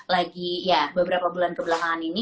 lagi ya beberapa bulan kebelakangan ini